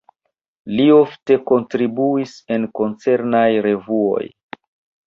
Li ofte kontribuis en koncernaj revuoj.